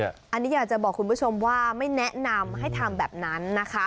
อันนี้อยากจะบอกคุณผู้ชมว่าไม่แนะนำให้ทำแบบนั้นนะคะ